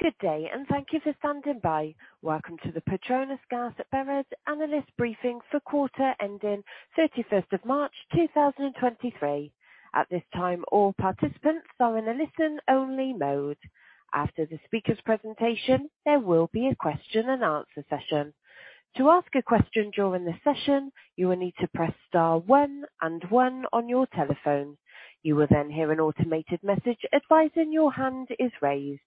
Good day, thank you for standing by. Welcome to the PETRONAS Gas Berhad analyst briefing for quarter ending March 31st 2023. At this time, all participants are in a listen-only mode. After the speaker's presentation, there will be a question and answer session. To ask a question during the session, you will need to press star one and one on your telephone. You will hear an automated message advising your hand is raised.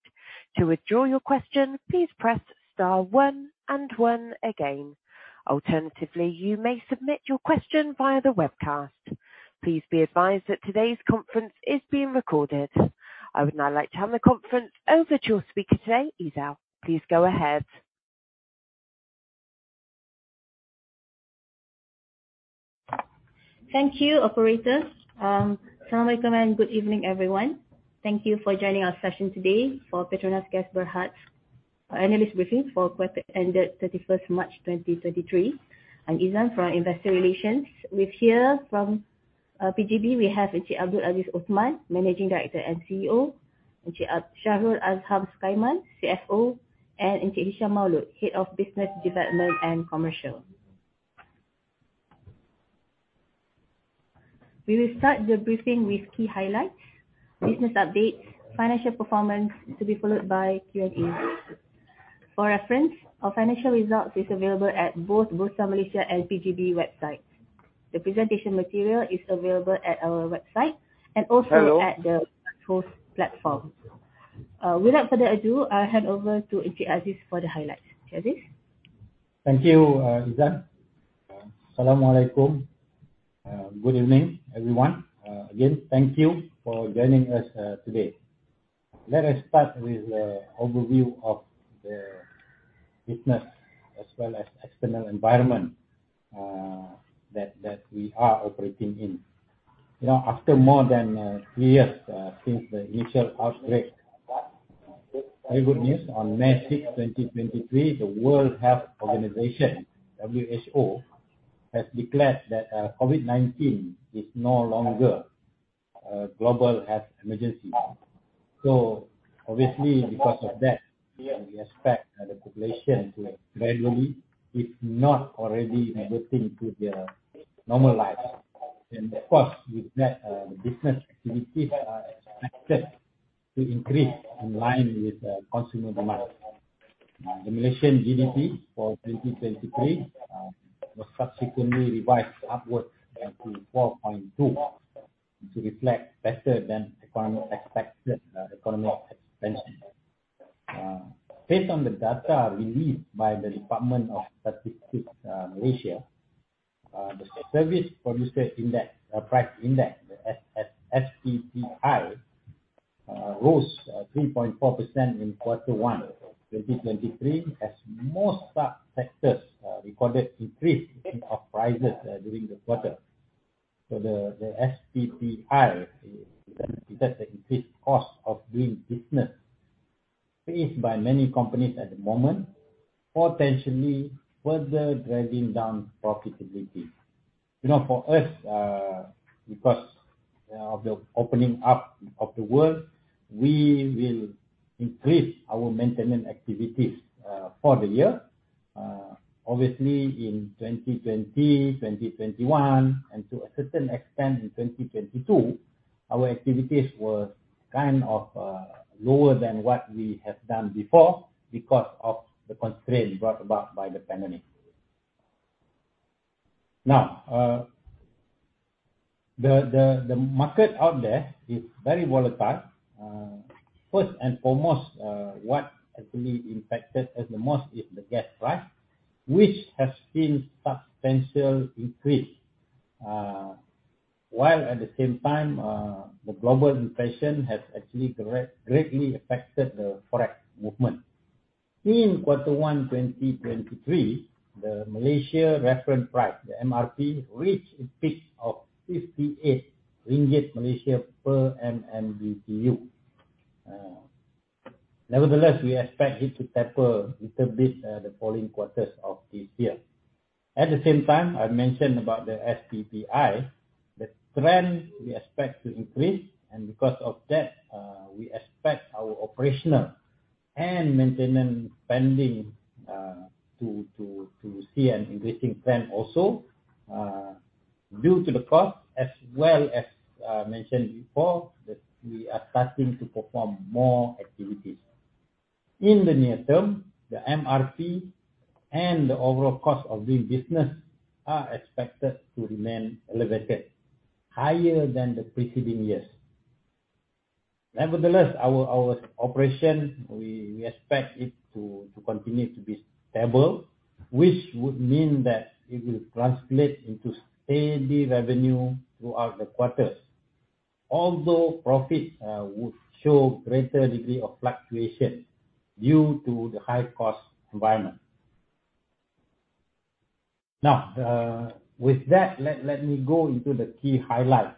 To withdraw your question, please press star one and one again. Alternatively, you may submit your question via the webcast. Please be advised that today's conference is being recorded. I would now like to hand the conference over to your speaker today, Izzat. Please go ahead. Thank you, operator. Good evening, everyone. Thank you for joining our session today for PETRONAS Gas Berhad's analyst briefing for quarter ended 31st March 2023. I'm Izzat from Investor Relations. We're here from PGB. We have Encik Abdul Aziz Othman, Managing Director and CEO, Encik Shahrul Azham Sukaiman, CFO, and Encik Hisham Maalot, Head of Business Development and Commercial. We will start the briefing with key highlights, business updates, financial performance, to be followed by Q&A. For reference, our financial results is available at both Bursa Malaysia and PGB websites. The presentation material is available at our website and also- Hello at the host platform. Without further ado, I'll hand over to Abdul Aziz Othman for the highlights. Aziz. Thank you, Izzat. Good evening, everyone. Again, thank you for joining us today. Let us start with the overview of the business as well as external environment that we are operating in. You know, after more than three years, since the initial outbreak, very good news on May 6th, 2023, the World Health Organization, WHO, has declared that COVID-19 is no longer a global health emergency. Obviously because of that, we expect the population to gradually, if not already, reverting to their normal lives. Of course, with that, business activities are expected to increase in line with the consumer demand. The Malaysian GDP for 2023 was subsequently revised upwards to 4.2 to reflect better than economic expected economic expansion. Based on the data released by the Department of Statistics Malaysia, the Services Producer Price Index, the SPPI, rose 3.4% in Q1 2023, as most sub-sectors recorded increase of prices during the quarter. The SPPI reflects the increased cost of doing business faced by many companies at the moment, potentially further driving down profitability. You know, for us, because of the opening up of the world, we will increase our maintenance activities for the year. Obviously in 2020, 2021, and to a certain extent in 2022, our activities were kind of lower than what we have done before because of the constraints brought about by the pandemic. The market out there is very volatile. First and foremost, what actually impacted us the most is the gas price, which has seen substantial increase. While at the same time, the global inflation has actually direct greatly affected the Forex movement. In quarter one 2023, the Malaysia Reference Price, the MRP, reached its peak of 58 ringgit per MMBtu. Nevertheless, we expect it to taper little bit, the following quarters of this year. At the same time, I mentioned about the SPPI, the trend we expect to increase, and because of that, we expect our operational and maintenance spending to see an increasing trend also, due to the cost as well as, mentioned before, that we are starting to perform more activities. In the near term, the MRP and the overall cost of doing business are expected to remain elevated higher than the preceding years. Nevertheless, our operation, we expect it to continue to be stable, which would mean that it will translate into steady revenue throughout the quarters. Although profits would show greater degree of fluctuation due to the high cost environment. Now, with that, let me go into the key highlights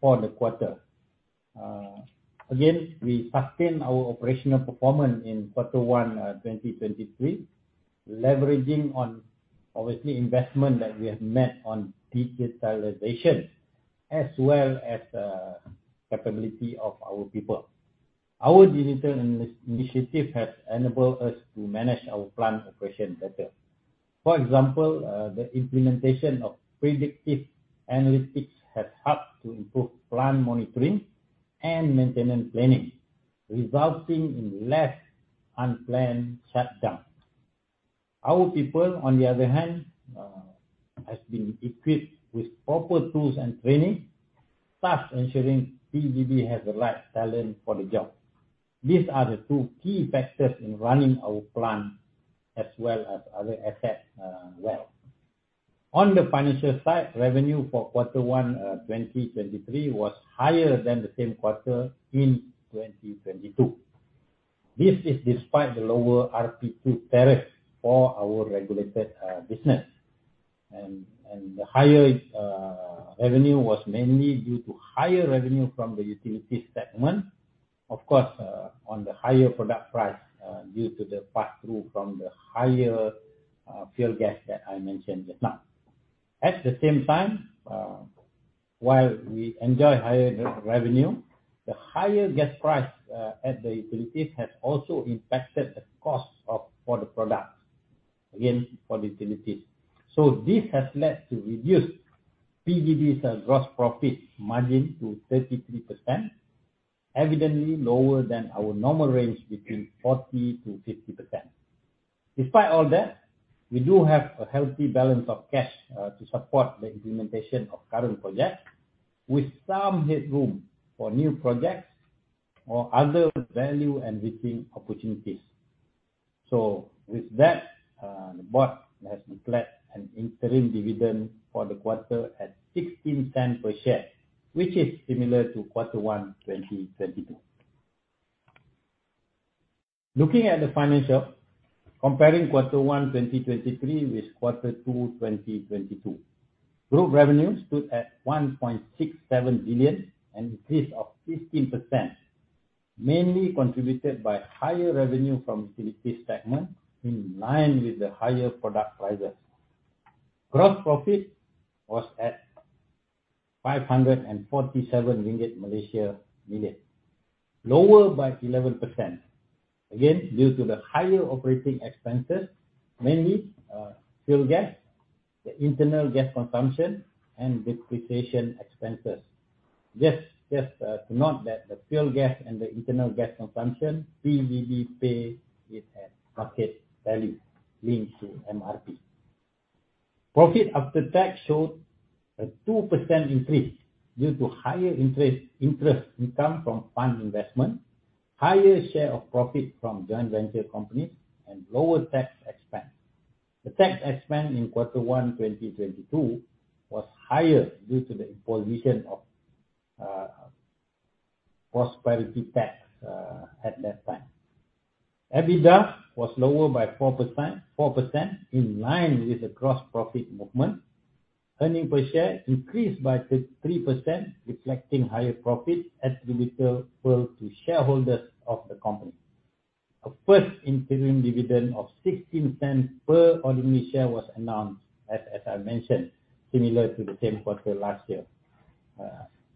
for the quarter. Again, we sustained our operational performance in quarter 1, 2023, leveraging on obviously investment that we have made on digitalization. As well as capability of our people. Our digital initiative has enabled us to manage our plant operation better. For example, the implementation of predictive analytics has helped to improve plant monitoring and maintenance planning, resulting in less unplanned shutdown. Our people, on the other hand, has been equipped with proper tools and training, thus ensuring PGB has the right talent for the job. These are the two key factors in running our plant as well as other assets, well. On the financial side, revenue for quarter one, 2023 was higher than the same quarter in 2022. This is despite the lower RP2 tariffs for our regulated business. The higher revenue was mainly due to higher revenue from the utility segment, of course, on the higher product price, due to the pass-through from the higher fuel gas that I mentioned just now. At the same time, while we enjoy higher re-revenue, the higher gas price at the utilities has also impacted the cost of all the products, again, for the utilities. This has led to reduced PGB sales gross profit margin to 33%, evidently lower than our normal range between 40%-50%. Despite all that, we do have a healthy balance of cash to support the implementation of current projects, with some headroom for new projects or other value-adding opportunities. With that, the board has declared an interim dividend for the quarter at 0.16 per share, which is similar to Q1 2022. Looking at the financial, comparing Q1 2023 with Q2 2022. Group revenue stood at 1.67 billion, an increase of 15%, mainly contributed by higher revenue from utilities segment, in line with the higher product prices. Gross profit was at 547 million ringgit, lower by 11%, again, due to the higher operating expenses, mainly, fuel gas, the internal gas consumption and depreciation expenses. Just to note that the fuel gas and the internal gas consumption, PGB pay it at market value linked to MRP. Profit after tax showed a 2% increase due to higher interest income from fund investment, higher share of profit from joint venture companies, and lower tax expense. The tax expense in Q1 2022 was higher due to the imposition of prosperity tax at that time. EBITDA was lower by 4%, in line with the gross profit movement. Earning per share increased by 3%, reflecting higher profits attributable to shareholders of the company. A first interim dividend of 16 sen per ordinary share was announced, as I mentioned, similar to the same quarter last year.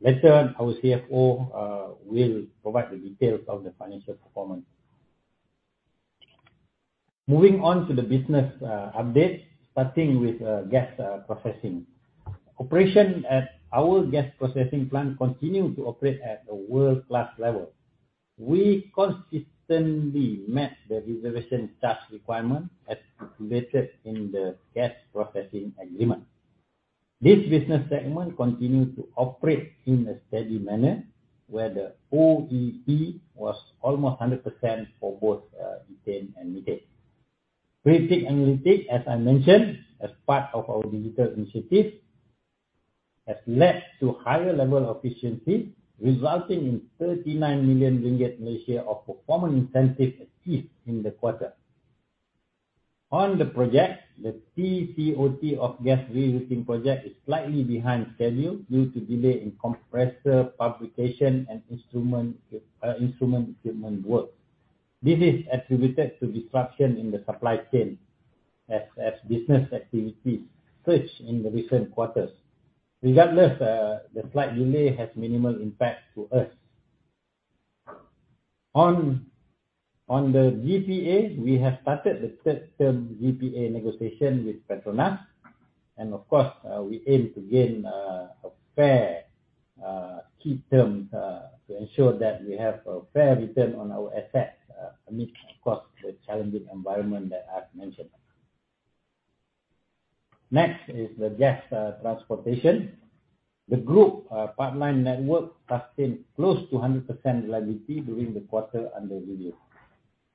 Later on, our CFO will provide the details of the financial performance. Moving on to the business update, starting with gas processing. Operation at our gas processing plant continue to operate at a world-class level. We consistently match the reservation charge requirement as stipulated in the Gas Processing Agreement. This business segment continued to operate in a steady manner, where the OEE was almost 100% for both ethane and methane. Predictive analytics, as I mentioned, as part of our digital initiative, has led to higher level efficiency, resulting in 39 million ringgit of performance incentive achieved in the quarter. On the project, the PCOT of gas reusing project is slightly behind schedule due to delay in compressor fabrication and instrument equipment work. This is attributed to disruption in the supply chain as business activities surge in the recent quarters. Regardless, the slight delay has minimal impact to us. On the GPA, we have started the third term GPA negotiation with PETRONAS. Of course, we aim to gain a fair key terms to ensure that we have a fair return on our assets amidst across the challenging environment that I've mentioned. Next is the gas transportation. The group pipeline network sustained close to 100% reliability during the quarter under review.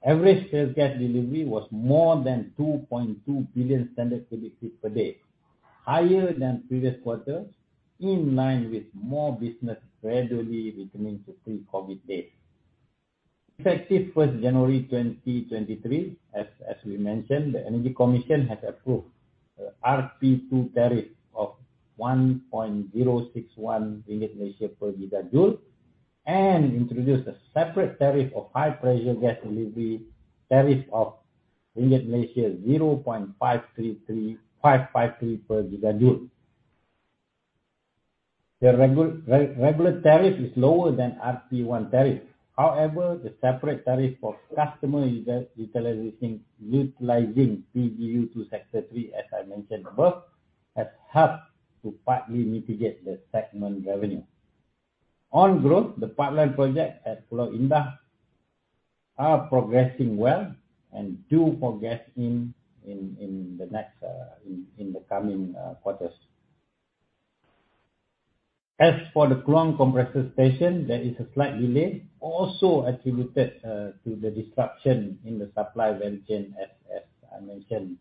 Average sales gas delivery was more than 2.2 billion standard cubic feet per day, higher than previous quarters, in line with more business gradually returning to pre-COVID days. Effective January 1st 2023, as we mentioned, the Energy Commission has approved the RP2 tariff of RM 1.061 per gigajoule, and introduced a separate tariff of high pressure gas delivery tariff of RM 0.533553 per gigajoule. The regular tariff is lower than RP1 tariff. However, the separate tariff for customer utilizing PGU to Sector 3, as I mentioned above, has helped to partly mitigate the segment revenue. On growth, the pipeline project at Pulau Indah are progressing well and due for gas in the next, in the coming quarters. As for the Kluang Compressor Station, there is a slight delay also attributed to the disruption in the supply value chain as I mentioned,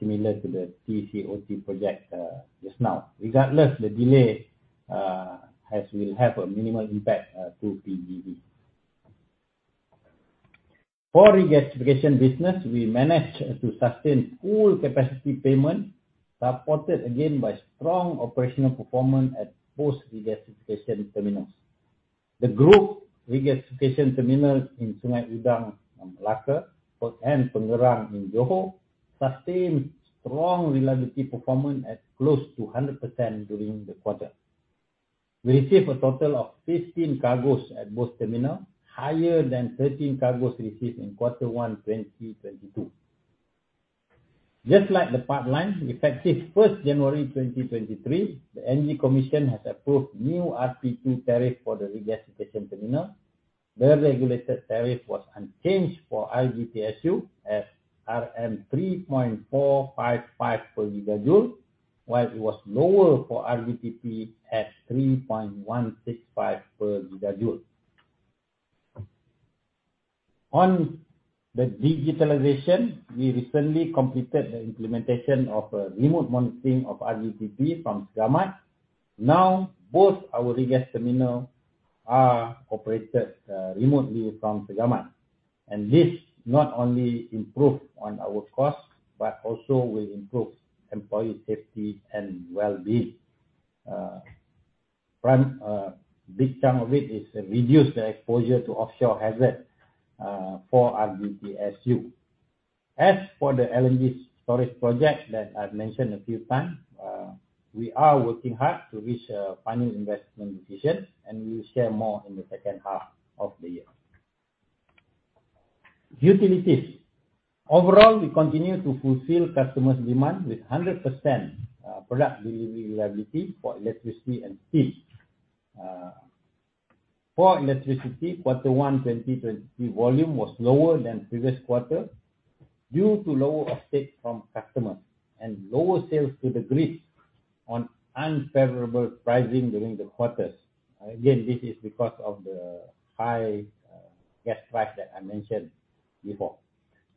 similar to the PCOT project, just now. Regardless, the delay will have a minimal impact to PGB. For regasification business, we managed to sustain full capacity payment, supported again by strong operational performance at both regasification terminals. The group regasification terminals in Sungai Udang, Melaka, and Pengerang in Johor sustained strong reliability performance at close to 100% during the quarter. We received a total of 15 cargos at both terminal, higher than 13 cargos received in Q1 2022. Just like the pipeline, effective January 1st 2023, the Energy Commission has approved new RP2 tariff for the regasification terminal. The regulated tariff was unchanged for RGTSU at RM 3.455 per gigajoule, while it was lower for RGTP at 3.165 per gigajoule. On the digitalization, we recently completed the implementation of a remote monitoring of RGTP from Segamat. Both our regas terminal are operated remotely from Segamat. This not only improve on our costs, but also will improve employee safety and wellbeing. Big chunk of it is reduce the exposure to offshore hazard for RGTSU. As for the LNG storage project that I've mentioned a few times, we are working hard to reach a final investment decision. We'll share more in the second half of the year. Utilities. Overall, we continue to fulfill customers' demand with 100% product delivery reliability for electricity and steam. For electricity, Q1 2023 volume was lower than previous quarter due to lower offtake from customers and lower sales to the grids on unfavorable pricing during the quarters. Again, this is because of the high gas price that I mentioned before.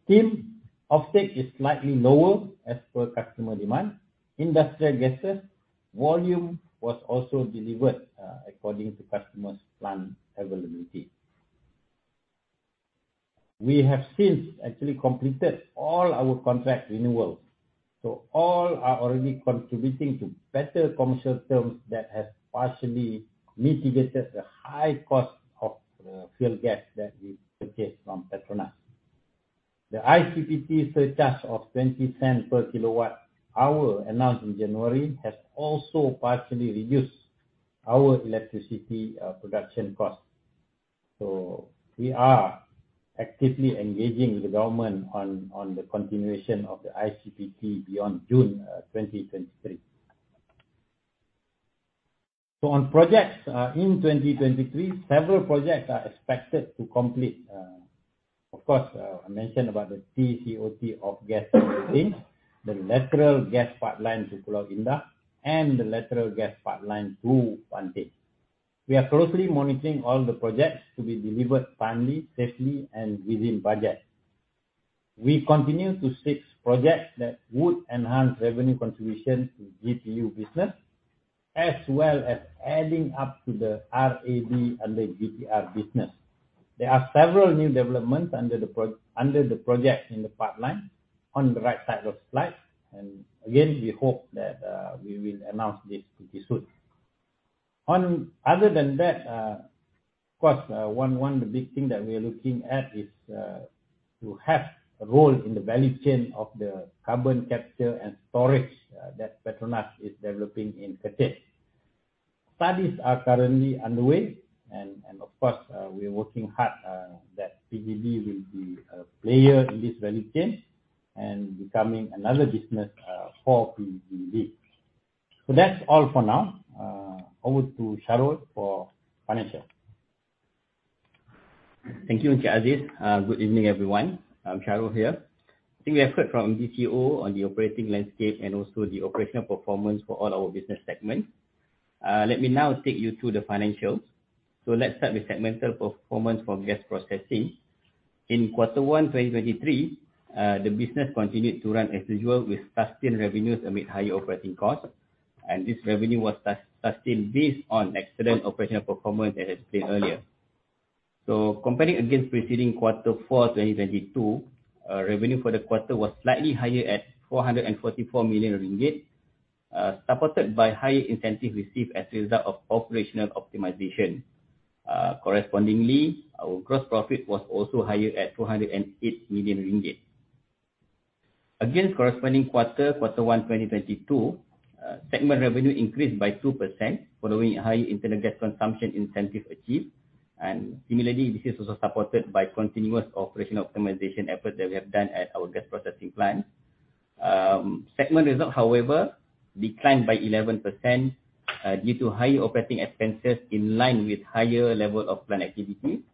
Steam offtake is slightly lower as per customer demand. Industrial gases, volume was also delivered according to customers' plant availability. We have since actually completed all our contract renewals. All are already contributing to better commercial terms that have partially mitigated the high cost of the fuel gas that we purchase from PETRONAS. The ICPT surcharge of 0.20 per kilowatt hour announced in January has also partially reduced our electricity production cost. We are actively engaging with the government on the continuation of the ICPT beyond June 2023. On projects in 2023, several projects are expected to complete. Of course, I mentioned about the PCOT offgas utilization, the lateral gas pipeline to Pulau Indah, and the lateral gas pipeline to Banting. We are closely monitoring all the projects to be delivered timely, safely, and within budget. We continue to stage projects that would enhance revenue contribution to GPU business, as well as adding up to the RAB under GTR business. There are several new developments under the project in the pipeline on the right side of slide. Again, we hope that we will announce this pretty soon. Other than that, of course, one of the big thing that we are looking at is to have a role in the value chain of the carbon capture and storage that PETRONAS is developing in Kerteh. Studies are currently underway and of course, we are working hard that PGB will be a player in this value chain and becoming another business for PGB. That's all for now. Over to Sharul for financial. Thank you, Encik Aziz. Good evening, everyone. I'm Sharul here. I think we have heard from DTO on the operating landscape and also the operational performance for all our business segments. Let me now take you through the financials. Let's start with segmental performance for gas processing. In Q1 2023, the business continued to run as usual with sustained revenues amid higher operating costs, and this revenue was sustained based on excellent operational performance as explained earlier. Comparing against preceding Q4 2022, revenue for the quarter was slightly higher at 444 million ringgit. Supported by high incentive received as a result of operational optimization. Correspondingly, our gross profit was also higher at 208 million ringgit. Against corresponding quarter, Q1 2022, segment revenue increased by 2% following high internal gas consumption incentive achieved. Similarly, this is also supported by continuous operational optimization effort that we have done at our gas processing plant. Segment result, however, declined by 11% due to high operating expenses in line with higher level of plant activity,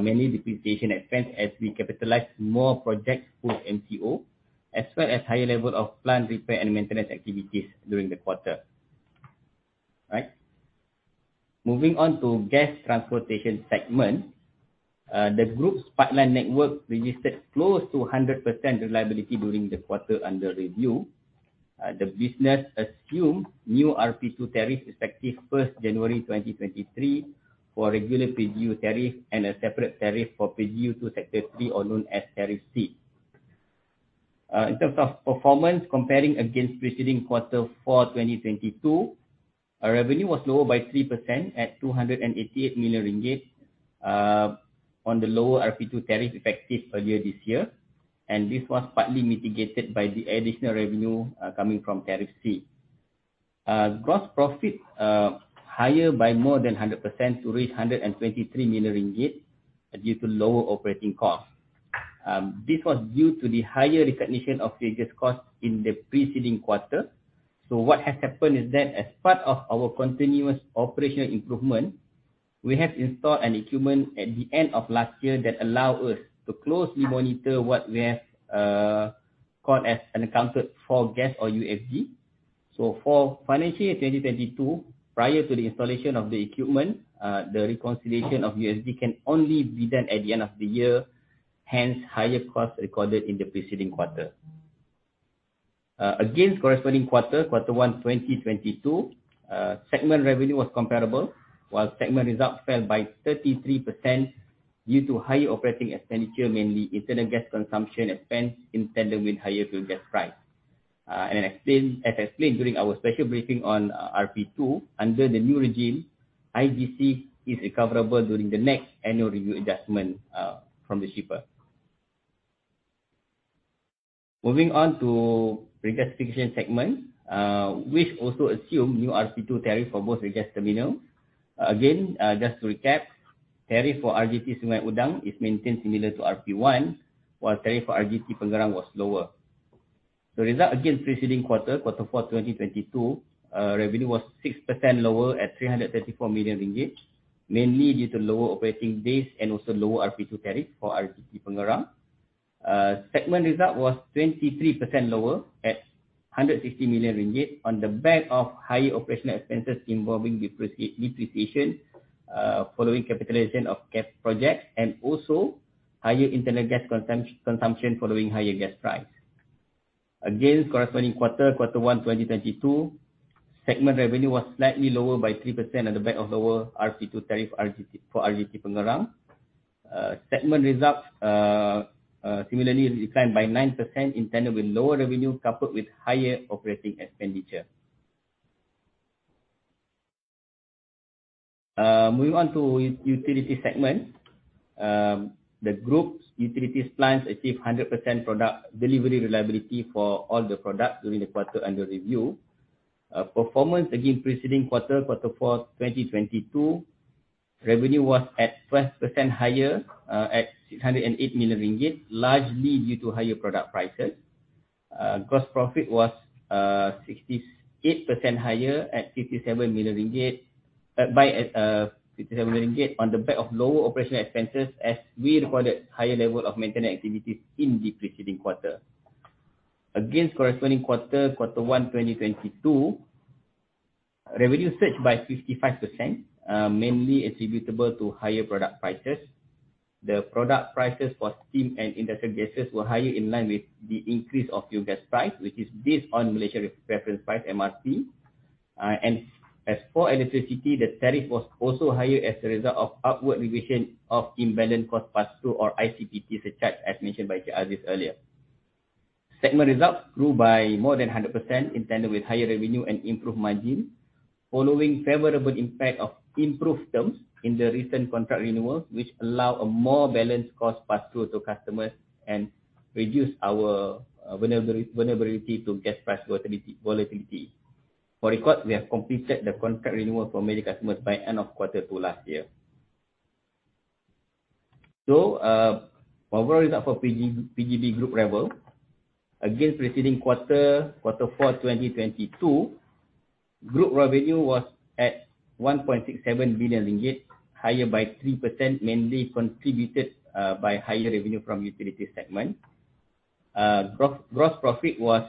mainly depreciation expense as we capitalize more projects for MTO, as well as higher level of plant repair and maintenance activities during the quarter. Moving on to gas transportation segment. The group's pipeline network registered close to 100% reliability during the quarter under review. The business assumed new RP2 tariff effective January 1st 2023 for regular PGU tariff and a separate tariff for PGU to Sector 3 or known as Tariff C. In terms of performance, comparing against preceding quarter four 2022, our revenue was lower by 3% at 288 million ringgit, on the lower RP2 tariff effective earlier this year. This was partly mitigated by the additional revenue, coming from Tariff C. Gross profit, higher by more than 100% to reach 123 million ringgit due to lower operating costs. This was due to the higher recognition of previous costs in the preceding quarter. What has happened is that as part of our continuous operational improvement, we have installed an equipment at the end of last year that allow us to closely monitor what we have, called as unaccounted for gas or UFG. For financial year 2022, prior to the installation of the equipment, the reconciliation of UFG can only be done at the end of the year, hence higher cost recorded in the preceding quarter. Against corresponding quarter, Q1 2022, segment revenue was comparable, while segment results fell by 33% due to high OpEx, mainly internal gas consumption expense intended with higher fuel gas price. As explained during our special briefing on RP2, under the new regime, IGC is recoverable during the next annual review adjustment from the shipper. Moving on to regasification segment, which also assume new RP2 tariff for both regas terminal. Again, just to recap, tariff for RGT Sungai Udang is maintained similar to RP1, while tariff for RGT Pengerang was lower. The result against preceding quarter, Q4 2022, revenue was 6% lower at 334 million ringgit, mainly due to lower operating days and also lower RP2 tariff for RGT Pengerang. Segment result was 23% lower at 160 million ringgit on the back of higher operational expenses involving depreciation following capitalization of gas projects and also higher internal gas consumption following higher gas price. Against corresponding quarter, Q1 2022, segment revenue was slightly lower by 3% on the back of lower RP2 tariff for RGT Pengerang. Segment results similarly declined by 9% in tandem with lower revenue coupled with higher operating expenditure. Moving on to utility segment. The group's utilities plans achieve 100% product delivery reliability for all the products during the quarter under review. Performance against preceding quarter, Q4 2022, revenue was 1% higher at 608 million ringgit, largely due to higher product prices. Gross profit was 68% higher at 57 million ringgit. On the back of lower operational expenses as we recorded higher level of maintenance activities in the preceding quarter. Against corresponding quarter, Q1 2022, revenue surged by 55%, mainly attributable to higher product prices. The product prices for steam and industrial gases were higher in line with the increase of fuel gas price, which is based on Malaysia Reference Price, MRP. As for electricity, the tariff was also higher as a result of upward revision of Imbalance Cost Pass-Through or ICPT surcharge, as mentioned by Aziz earlier. Segment results grew by more than 100% in tandem with higher revenue and improved margin following favorable impact of improved terms in the recent contract renewal, which allow a more balanced cost pass-through to customers and reduce our vulnerability to gas price volatility. For record, we have completed the contract renewal for many customers by end of quarter two last year. Overall result for PGB Group level. Against preceding quarter four 2022, group revenue was at 1.67 billion ringgit, higher by 3% mainly contributed by higher revenue from utility segment. Gross profit was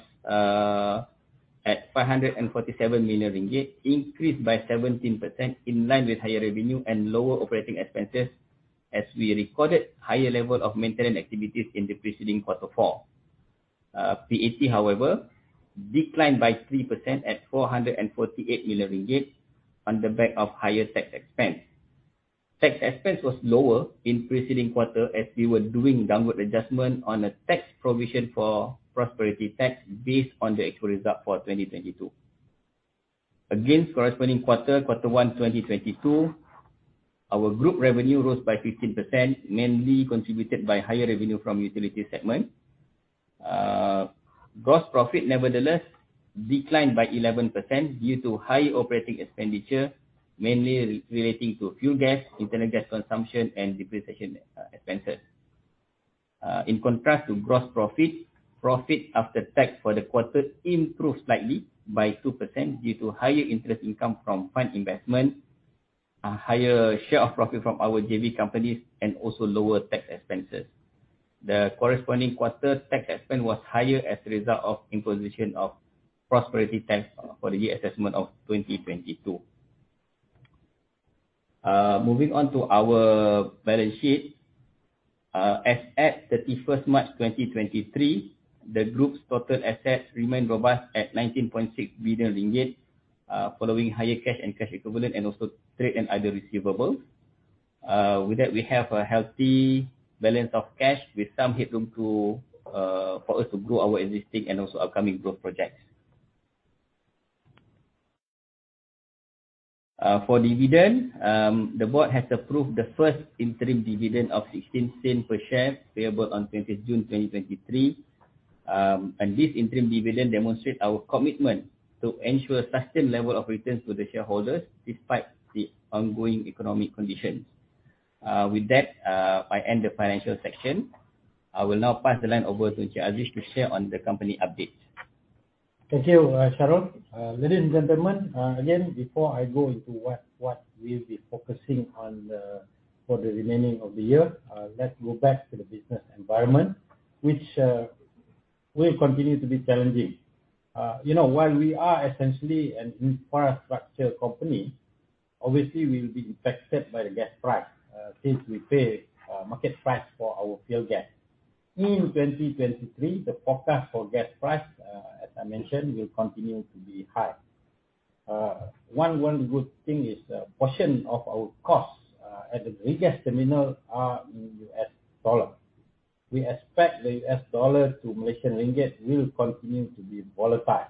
at 547 million ringgit, increased by 17% in line with higher revenue and lower operating expenses as we recorded higher level of maintenance activities in the preceding quarter four. PAT, however, declined by 3% at 448 million ringgit on the back of higher tax expense. Tax expense was lower in preceding quarter as we were doing downward adjustment on a tax provision for prosperity tax based on the actual result for 2022. Against corresponding quarter, Q1 2022, our group revenue rose by 15%, mainly contributed by higher revenue from utility segment. Gross profit, nevertheless, declined by 11% due to high operating expenditure, mainly relating to fuel gas, internal gas consumption and depreciation expenses. In contrast to gross profit after tax for the quarter improved slightly by 2% due to higher interest income from fund investment, a higher share of profit from our JV companies, and also lower tax expenses. The corresponding quarter tax expense was higher as a result of imposition of prosperity tax for the year assessment of 2022. Moving on to our balance sheet. As at 31st March 2023, the group's total assets remain robust at 19.6 billion ringgit, following higher cash and cash equivalent and also trade and other receivables. With that, we have a healthy balance of cash with some headroom for us to grow our existing and also upcoming growth projects. For dividend, the board has approved the first interim dividend of 16 sen per share, payable on 20 June 2023. This interim dividend demonstrates our commitment to ensure sustained level of returns to the shareholders despite the ongoing economic conditions. With that, I end the financial section. I will now pass the line over to Abdul Aziz Othman to share on the company update. Thank you, Sharul. Ladies and gentlemen, again, before I go into what we'll be focusing on for the remaining of the year, let's go back to the business environment, which will continue to be challenging. You know, while we are essentially an infrastructure company, obviously we will be impacted by the gas price, since we pay market price for our fuel gas. In 2023, the forecast for gas price, as I mentioned, will continue to be high. One good thing is a portion of our costs at the regas terminal are in US dollar. We expect the US dollar to Malaysian ringgit will continue to be volatile,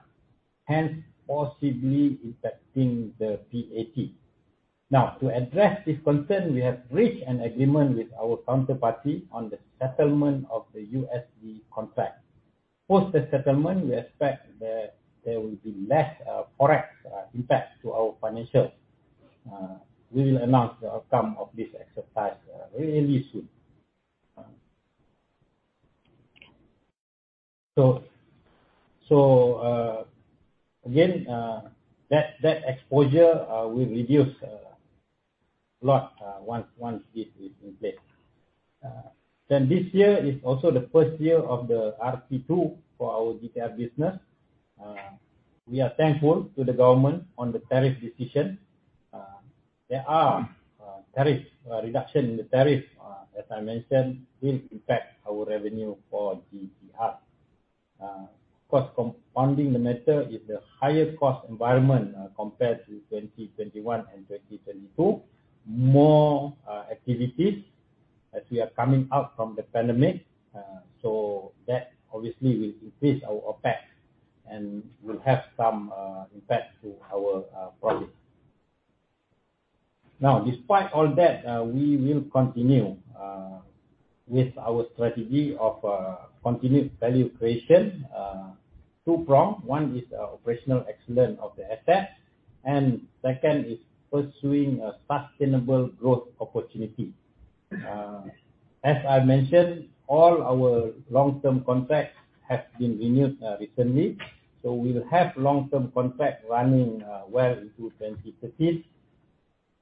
hence possibly impacting the PAT. To address this concern, we have reached an agreement with our counterparty on the settlement of the USD contract. Post the settlement, we expect that there will be less forex impact to our financials. We will announce the outcome of this exercise really soon. Again, that exposure will reduce a lot once this is in place. This year is also the first year of the RP2 for our GTR business. We are thankful to the government on the tariff decision. There are tariff reduction in the tariff, as I mentioned, will impact our revenue for the GTR. Of course, compounding the matter is the higher cost environment compared to 2021 and 2022. More activities as we are coming out from the pandemic, so that obviously will increase our OpEx and will have some impact to our profit. Despite all that, we will continue with our strategy of continued value creation. Two prong, one is operational excellence of the assets, and second is pursuing a sustainable growth opportunity. As I mentioned, all our long-term contracts have been renewed recently, so we'll have long-term contracts running well into 2030.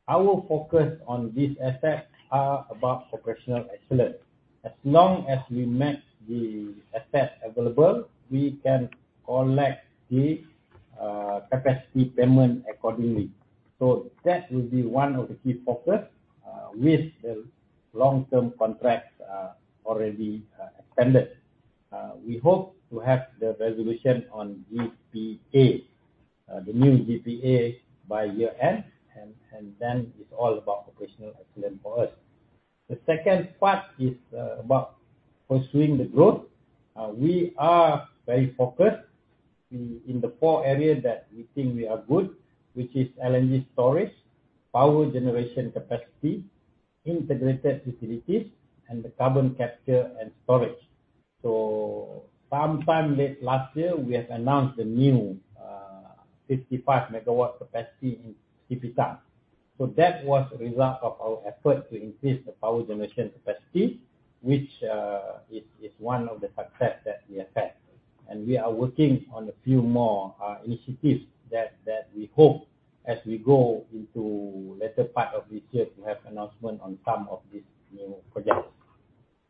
Our focus on these assets are about operational excellence. As long as we max the assets available, we can collect the capacity payment accordingly. That will be one of the key focus with the long-term contracts already extended. We hope to have the resolution on GPA, the new GPA by year end, and then it's all about operational excellence for us. The second part is about pursuing the growth. We are very focused in the four areas that we think we are good, which is LNG storage, power generation capacity, integrated utilities, and the carbon capture and storage. Sometime late last year, we have announced the new 55 MW capacity in Sipitang. That was a result of our effort to increase the power generation capacity, which is one of the success that we have had. And we are working on a few more initiatives that we hope as we go into latter part of this year to have announcement on some of these new projects.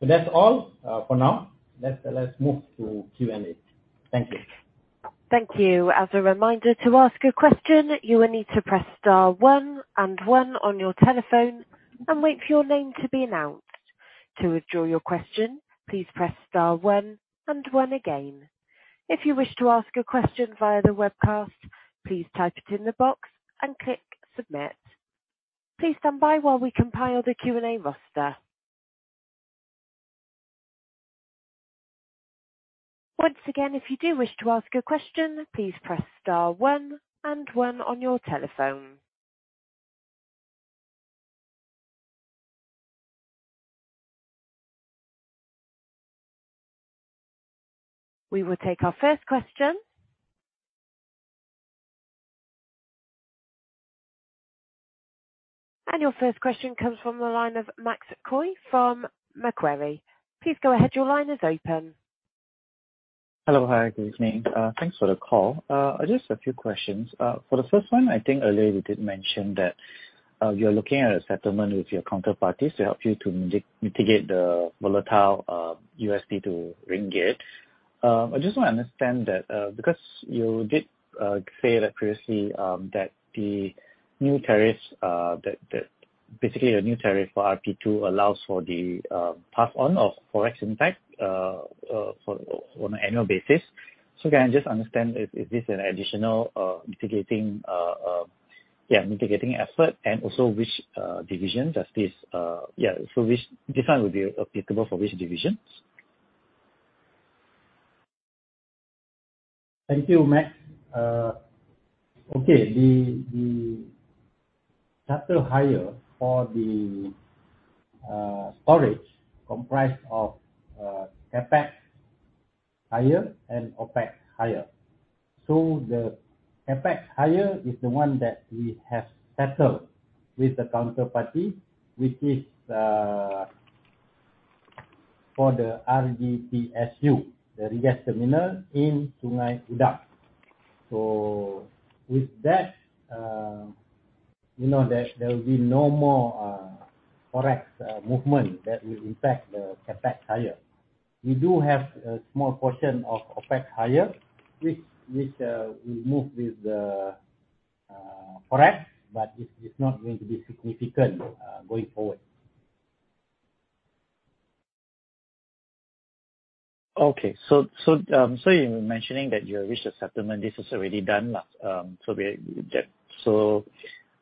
That's all for now. Let's move to Q&A. Thank you. Thank you. As a reminder, to ask a question, you will need to press star one and one on your telephone and wait for your name to be announced. To withdraw your question, please press star one and one again. If you wish to ask a question via the webcast, please type it in the box and click Submit. Please stand by while we compile the Q&A roster. Once again, if you do wish to ask a question, please press star one and one on your telephone. We will take our first question. Your first question comes from the line of Max Koh from Macquarie. Please go ahead. Your line is open. Hello. Hi, good evening. Thanks for the call. Just a few questions. For the first one, I think earlier you did mention that you're looking at a settlement with your counterparties to help you to mitigate the volatile USD to Ringgit. I just want to understand that, because you did say that previously, Basically, the new tariff for RP2 allows for the pass on of Forex impact for on an annual basis. Can I just understand, is this an additional mitigating effort? Also, which division does this, which this one would be applicable for which divisions? Thank you, Max. The charter hire for the storage comprised of CapEx hire and OpEx hire. The CapEx hire is the one that we have settled with the counterparty, which is for the RGTSU, the regas terminal in Sungai Udang. With that, you know, there will be no more Forex movement that will impact the CapEx hire. We do have a small portion of OpEx hire, which will move with the Forex, but it's not going to be significant going forward. Okay. You're mentioning that you have reached a settlement. This is already done now.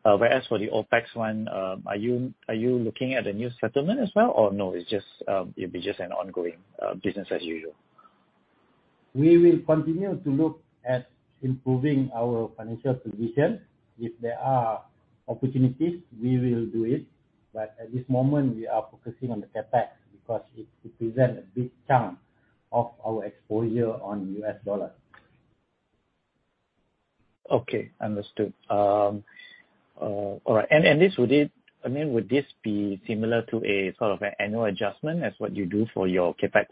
Whereas for the OpEx one, are you looking at a new settlement as well, or no, it's just, it'll be just an ongoing business as usual? We will continue to look at improving our financial position. If there are opportunities, we will do it. At this moment, we are focusing on the CapEx because it presents a big chunk of our exposure on US dollar. Okay, understood. all right. I mean, would this be similar to a sort of an annual adjustment as what you do for your CapEx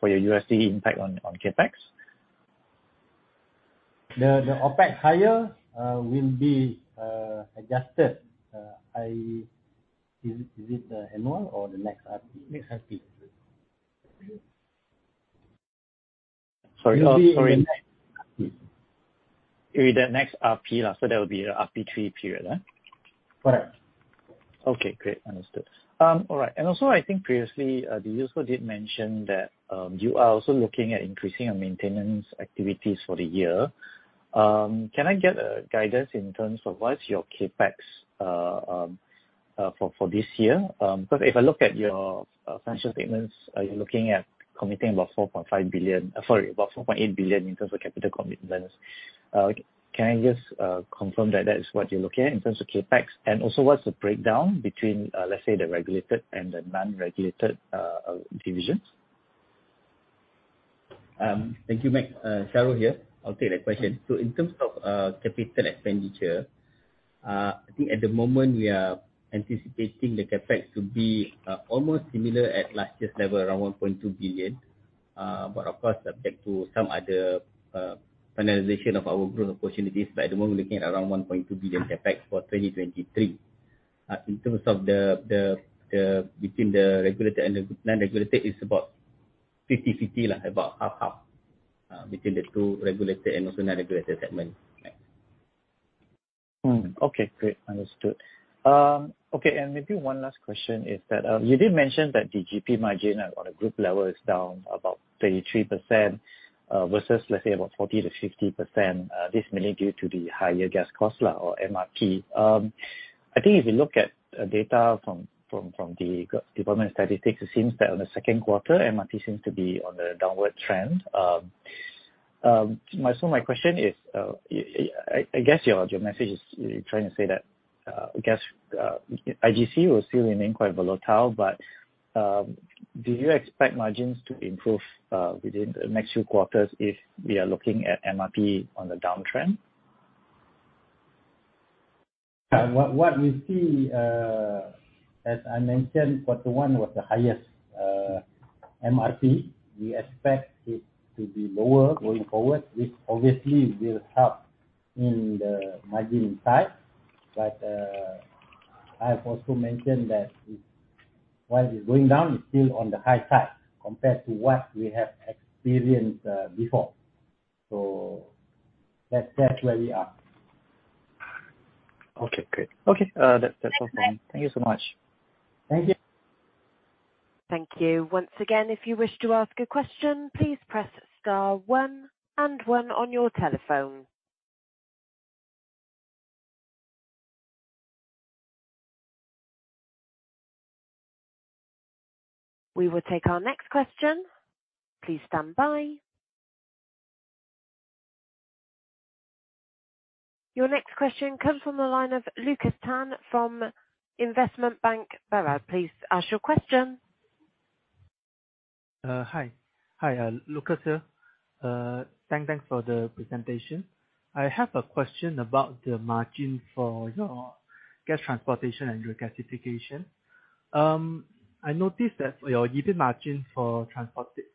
for your USD impact on CapEx? The OpEx hire will be adjusted. Is it annual or the next RP? Next RP. Sorry. Oh, sorry. Next RP. It'll be the next RP. That would be RP3 period, huh? Correct. Okay, great. Understood. All right. Also, I think previously, the user did mention that you are also looking at increasing your maintenance activities for the year. Can I get a guidance in terms of what's your CapEx for this year? If I look at your financial statements, are you looking at committing about 4.5 billion, sorry, about 4.8 billion in terms of capital commitments? Can I just confirm that that is what you're looking at in terms of CapEx? Also, what's the breakdown between, let's say, the regulated and the non-regulated divisions? Thank you, Max. Sharul here. I'll take that question. In terms of capital expenditure, I think at the moment we are anticipating the CapEx to be almost similar at last year's level, around 1.2 billion. Of course, subject to some other finalization of our growth opportunities. At the moment, we're looking at around 1.2 billion CapEx for 2023. In terms of between the regulated and the non-regulated, it's about 50/50, about half/half between the two regulated and also non-regulated segment. Okay. Great. Understood. Okay. Maybe one last question is that, you did mention that the GP margin on a group level is down about 33%, versus let's say about 40%-50%. This mainly due to the higher gas costs or MRP. I think if you look at data from the government statistics, it seems that on the second quarter, MRP seems to be on a downward trend. So my question is, I guess your message is you're trying to say that, I guess, IGC will still remain quite volatile. Do you expect margins to improve within the next few quarters if we are looking at MRP on the downtrend? What we see, as I mentioned, quarter one was the highest MRP. We expect it to be lower going forward. This obviously will help in the margin side. I have also mentioned that it, while it's going down, it's still on the high side compared to what we have experienced before. That's where we are. Okay, great. Okay, that's all from me. Okay. Thank you so much. Thank you. Thank you. Once again, if you wish to ask a question, please press star one and one on your telephone. We will take our next question. Please stand by. Your next question comes from the line of Lucas Tan from Affin Hwang Investment Bank Berhad. Please ask your question. Hi. Hi, Lucas, here. Thanks for the presentation. I have a question about the margin for your gas transportation and regasification. I noticed that your EBIT margin for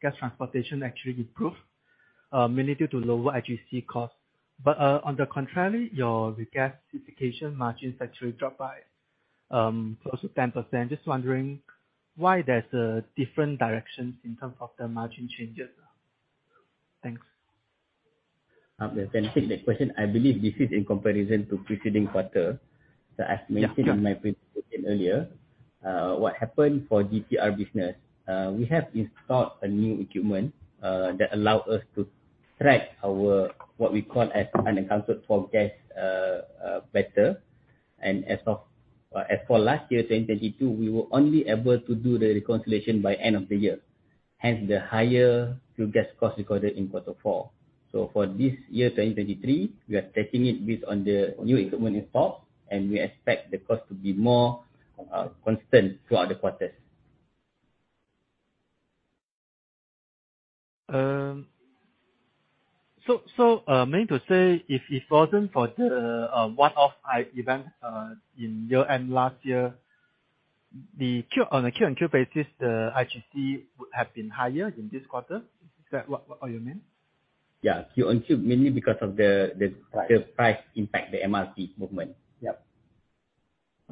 gas transportation actually improved, mainly due to lower IGC costs. On the contrary, your regasification margins actually dropped by close to 10%. Just wondering why there's a different direction in terms of the margin changes. Thanks. I can take the question. I believe this is in comparison to preceding quarter. Yeah. As mentioned in my presentation earlier, what happened for GTR business, we have installed a new equipment that allow us to track our, what we call as unaccounted for gas, better. As of, as for last year, 2022, we were only able to do the reconciliation by end of the year, hence the higher fuel gas cost recorded in quarter four. For this year, 2023, we are testing it based on the new equipment involved, and we expect the cost to be more constant throughout the quarters. mainly to say if it wasn't for the one-off event, in year end last year, the Q on a Q-on-Q basis, the IGC would have been higher than this quarter. Is that what you mean? Yeah. Q-on-Q, mainly because of the... Price. The price impact, the MRP movement.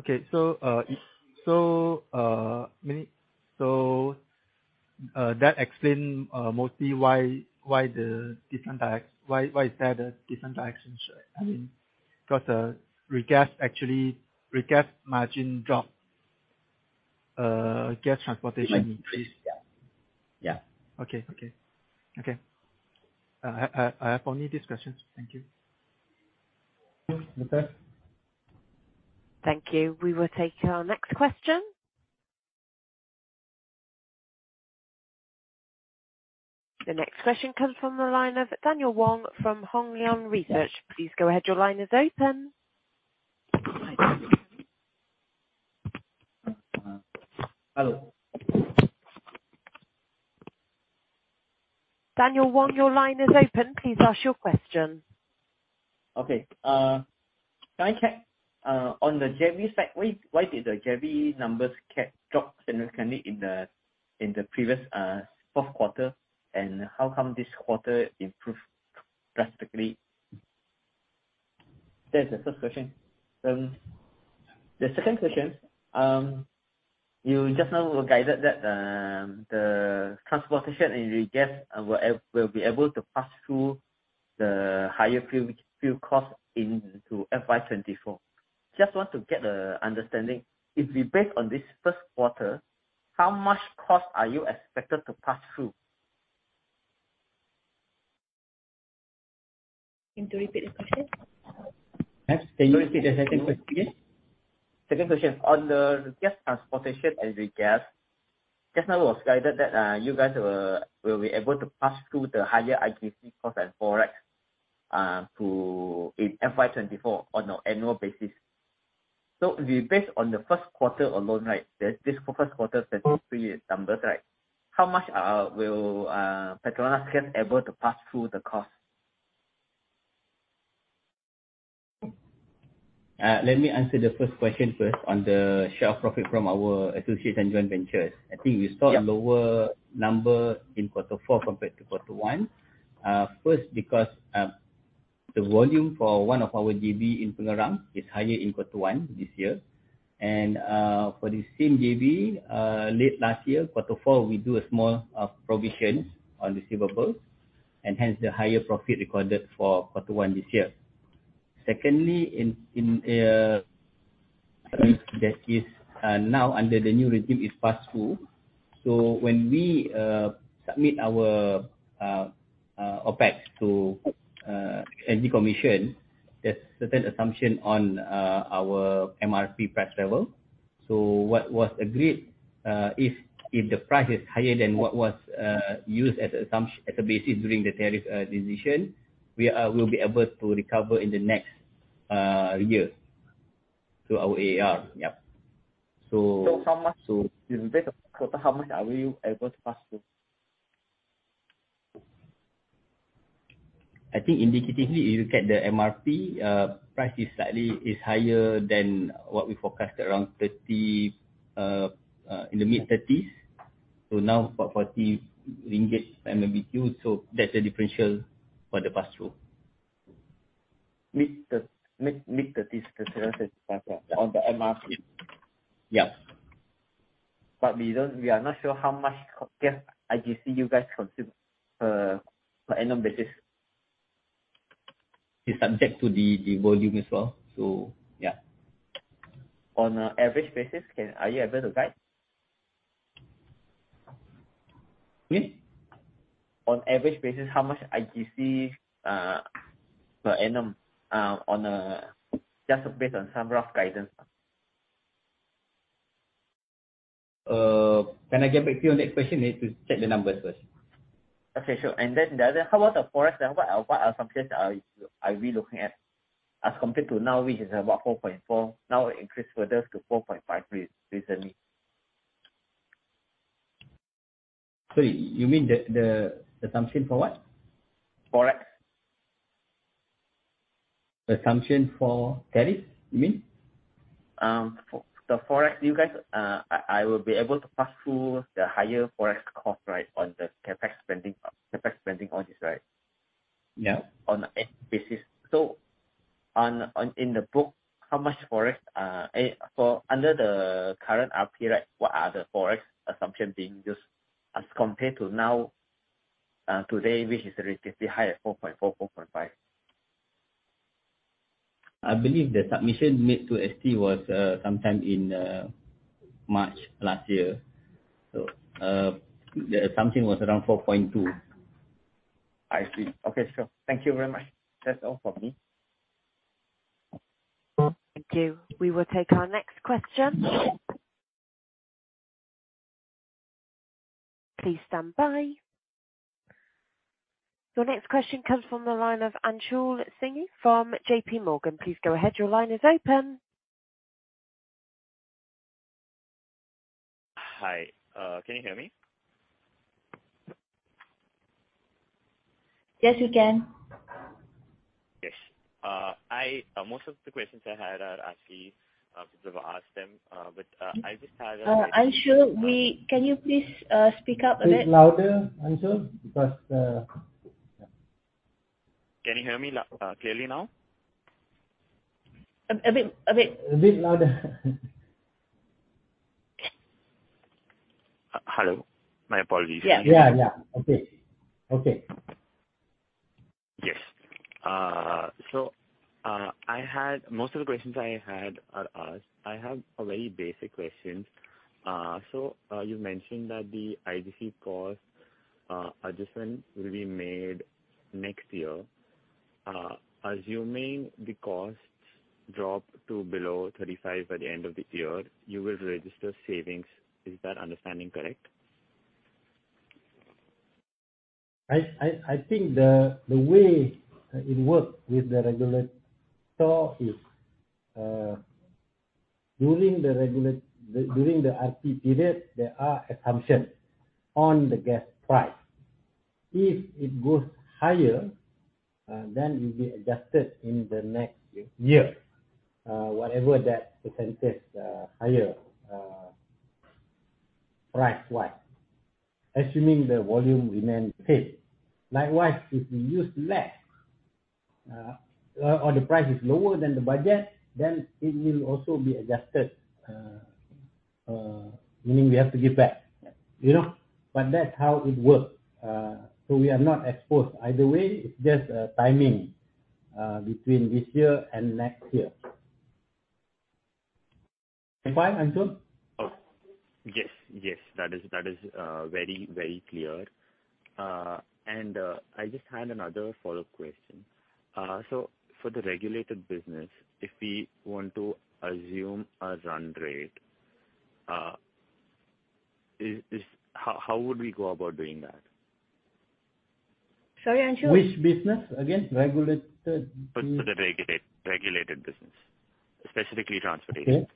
Yeah. Okay. That explain, mostly why the different why is there the different directions. I mean, 'cause, Regas actually, Regas margin dropped, Gas Transportation increased. Yeah. Okay. I have only these questions. Thank you. Okay. Thank you. We will take our next question. The next question comes from the line of Daniel Wong from Hong Leong Research. Please go ahead. Your line is open. Hello. Daniel Wong, your line is open. Please ask your question. Okay. Can I check on the JV side, why did the JV numbers drop significantly in the previous fourth quarter? How come this quarter improved drastically? That's the first question. The second question, you just now guided that the transportation and regas will be able to pass through the higher fuel cost into FY 2024. Just want to get a understanding. If we base on this first quarter, how much cost are you expected to pass through? Can you repeat the question? Yes. Can you repeat the second question, please? Second question, on the gas transportation and regas, just now it was guided that you guys will be able to pass through the higher IGC cost and forex to, in FY 2024 on an annual basis. If we base on the first quarter alone, this first quarter 2023 numbers, how much will PETRONAS can able to pass through the cost? let me answer the first question first on the share profit from our associates and joint ventures. Yeah. I think we saw lower numbers in quarter four compared to quarter one, first because the volume for one of our JV in Pengerang is higher in quarter one this year. For the same JV, late last year, quarter four, we do a small provision on receivables, and hence the higher profit recorded for quarter one this year. Secondly, that is now under the new regime is passed through. When we submit our OPEX to Energy Commission, there's certain assumption on our MRP price level. What was agreed, if the price is higher than what was used as a basis during the tariff decision, we will be able to recover in the next year to our AR. In this quarter, how much are you able to pass through? I think indicatively, if you look at the MRP, price is slightly, is higher than what we forecast, around 30, in the mid-thirties. Now about 40 ringgit MMBTU, so that's the differential for the pass through. Mid-30s, the pass through. Yeah. on the MRP. Yeah. We are not sure how much gas IGC you guys consume for annual basis. It's subject to the volume as well. Yeah. On a average basis, are you able to guide? Me? On average basis, how much IGC per annum, just based on some rough guidance? Can I get back to you on that question? I need to check the numbers first. Okay, sure. The other, how about the FOREX? How about, what assumptions are we looking at as compared to now, which is about 4.4, now increased further to 4.5 recently? Sorry, you mean the assumption for what? FOREX. Assumption for tariffs, you mean? The FOREX, you guys, I will be able to pass through the higher FOREX cost, right, on the CapEx spending on this, right? Yeah. On a in basis. on, in the book, how much FOREX For under the current RP, right, what are the FOREX assumption being used as compared to now, today, which is relatively higher, 4.4.5? I believe the submission made to ST was sometime in March last year. The assumption was around 4.2. I see. Okay. Sure. Thank you very much. That's all for me. Thank you. We will take our next question. Please stand by. Your next question comes from the line of Anshul Singh from JPMorgan. Please go ahead. Your line is open. Hi. Can you hear me? Yes, we can. Yes. I, most of the questions I had are actually, sort of asked them, but I just have. Anshul, can you please speak up a bit? Speak louder, Anshul, because... Can you hear me clearly now? a bit. A bit louder. Hello. My apologies. Yeah. Yeah, yeah. Okay. Okay. Yes. Most of the questions I had are asked. I have a very basic question. You mentioned that the IGC cost adjustment will be made next year. Assuming the costs drop to below 35 by the end of the year, you will register savings. Is that understanding correct? I think the way it works with the regulator is during the RP period, there are assumptions on the gas price. If it goes higher, then it will be adjusted in the next year, whatever that percentage higher price-wise, assuming the volume remain same. Likewise, if we use less, or the price is lower than the budget, then it will also be adjusted, meaning we have to give back. You know? That's how it works. So we are not exposed either way. It's just timing between this year and next year. Fine, Anshul? Yes. Yes. That is very, very clear. I just had another follow-up question. For the regulated business, if we want to assume a run rate, how would we go about doing that? Sorry, Anshul. Which business again? Regulated- For the regulated business, specifically transportation. Okay.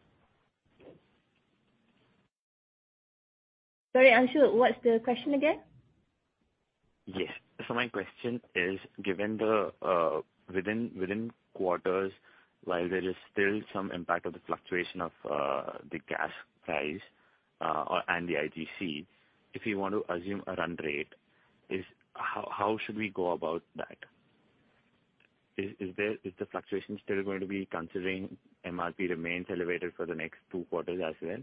Sorry, Anshul. What's the question again? My question is, given the within quarters, while there is still some impact of the fluctuation of the gas price, or, and the IGC, if you want to assume a run rate, is. How should we go about that? Is there, is the fluctuation still going to be considering MRP remains elevated for the next two quarters as well?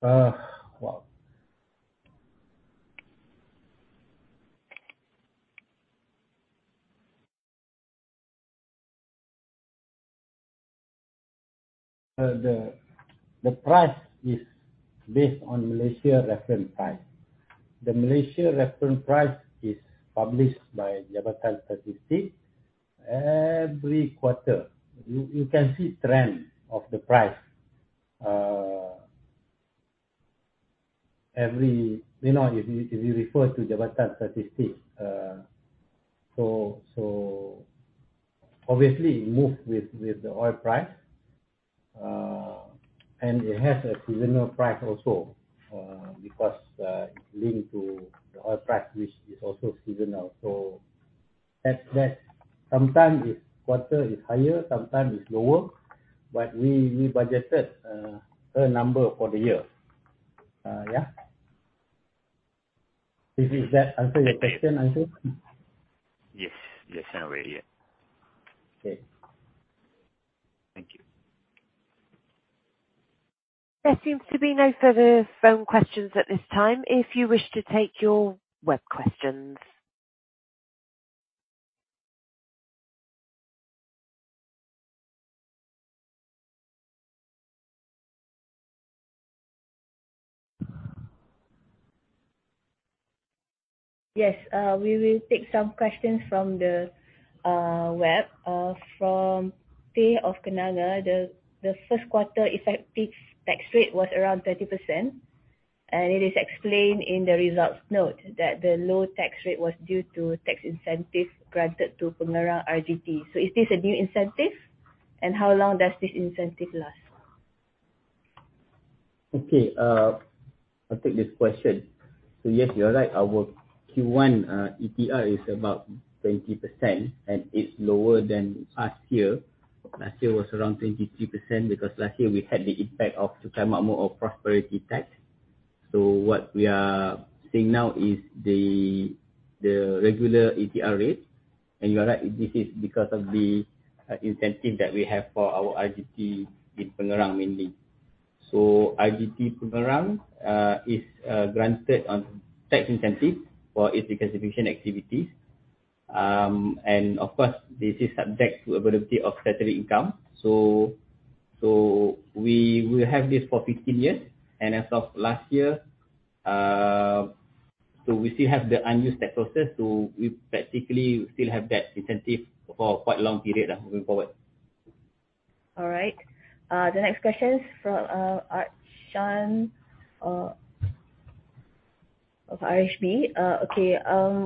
The price is based on Malaysia Reference Price. The Malaysia Reference Price is published by Jabatan Statistik every quarter. You can see trends of the price if you refer to Jabatan Statistik. Obviously it moves with the oil price, and it has a seasonal price also, because it's linked to the oil price, which is also seasonal. Sometimes this quarter is higher, sometimes it's lower, but we budgeted a number for the year. Is that answer your question, Andrew? Yes. Yes, now we hear you. Okay. Thank you. There seems to be no further phone questions at this time. If you wish to take your web questions. Yes. We will take some questions from the web. From Teh of Kenanga. The first quarter effective tax rate was around 30%. It is explained in the results note that the low tax rate was due to tax incentive granted to Pengerang RGT. Is this a new incentive, and how long does this incentive last? I'll take this question. Yes, you are right. Our Q1 EPR is about 20%, and it's lower than last year. Last year was around 23% because last year we had the impact of Cukai Makmur or prosperity tax. What we are seeing now is the regular EPR rate. You are right, this is because of the incentive that we have for our RGT with Pengerang mainly. RGT Pengerang is granted on tax incentive for its reconciliation activities. Of course, this is subject to availability of statutory income. We will have this for 15 years. As of last year, we still have the unused tax process, we practically still have that incentive for quite a long period moving forward. All right. The next question is from Archon of RHB. Okay.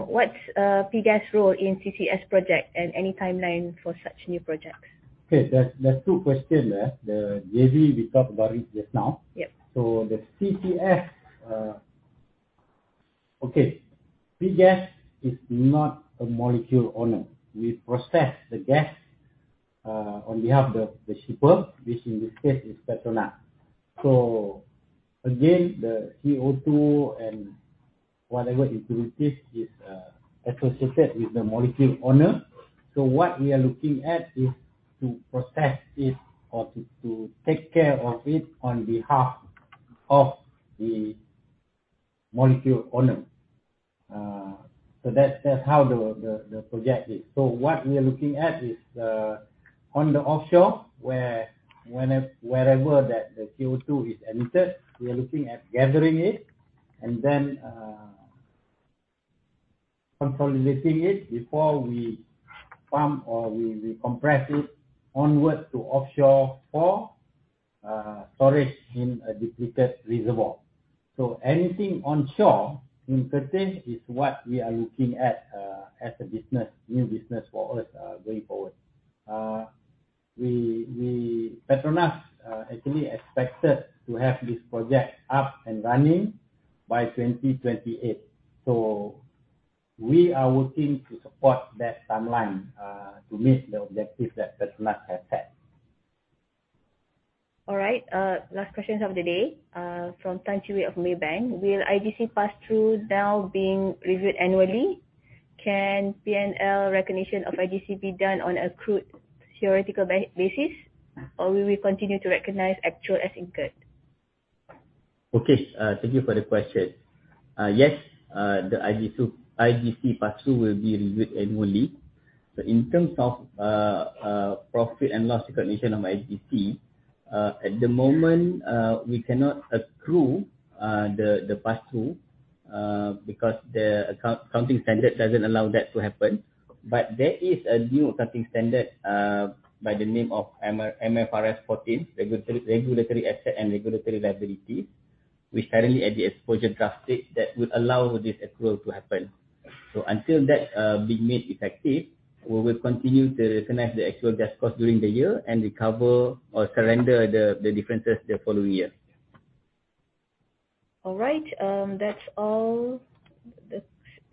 What's PGAS role in CCS project and any timeline for such new projects? Okay. There's two questions there. The JV, we talked about it just now. Yep. The CCS. Okay. PGAS is not a molecule owner. We process the gas on behalf of the shipper, which in this case is PETRONAS. Again, the CO2 and whatever utilities is associated with the molecule owner. What we are looking at is to process it or to take care of it on behalf of the molecule owner. That's how the project is. What we are looking at is on the offshore, wherever that the CO2 is emitted, we are looking at gathering it and then consolidating it before we pump, or we compress it onwards to offshore for storage in a depleted reservoir. Anything onshore in Kerteh is what we are looking at as a business, new business for us going forward. We actually expected to have this project up and running by 2028. We are working to support that timeline to meet the objectives that PETRONAS has set. All right. Last question of the day, from Tan Chui of Maybank. Will IGC pass-through now being reviewed annually, can PNL recognition of IGC be done on accrued theoretical basis, or will we continue to recognize actual as incurred? Thank you for the question. Yes, the IGC pass-through will be reviewed annually. In terms of profit and loss recognition of IGC, at the moment, we cannot accrue the pass-through because the accounting standard doesn't allow that to happen. There is a new accounting standard by the name of MFRS 14, Regulatory Asset and Regulatory Liability, which currently at the exposure draft stage, that would allow this accrual to happen. Until that being made effective, we will continue to recognize the actual gas cost during the year and recover or surrender the differences the following year. All right. That's all.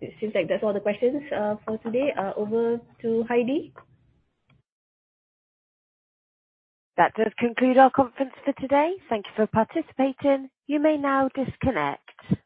It seems like that's all the questions for today. Over to Heidi. That does conclude our conference for today. Thank you for participating. You may now disconnect.